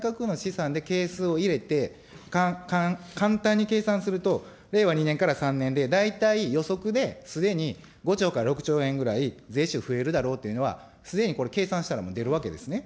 内閣府の試算で係数を入れて、簡単に計算すると、令和２年から３年で大体予測で、すでに５兆から６兆円ぐらい税収増えるだろうというのは、すでにこれ、計算したら出るわけですね。